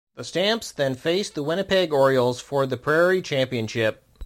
The Stamps then faced the Winnipeg Orioles for the Prairie championship.